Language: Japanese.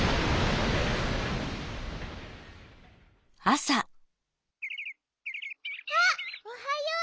あっおはよう。